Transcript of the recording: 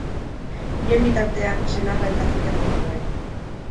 Bien bitartean, senarra ez dakite non dagoen.